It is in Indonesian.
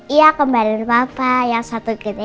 iya kemarin papa yang satu kecil